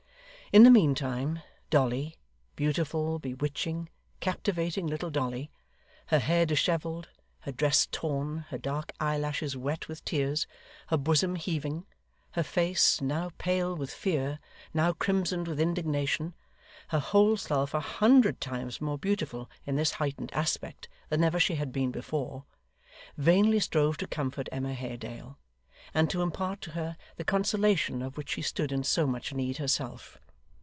In the mean time, Dolly beautiful, bewitching, captivating little Dolly her hair dishevelled, her dress torn, her dark eyelashes wet with tears, her bosom heaving her face, now pale with fear, now crimsoned with indignation her whole self a hundred times more beautiful in this heightened aspect than ever she had been before vainly strove to comfort Emma Haredale, and to impart to her the consolation of which she stood in so much need herself.